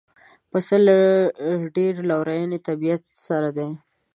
پسه له ډېر لورین طبیعت سره دی.